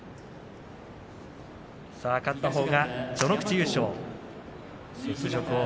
勝ったほうが序ノ口優勝。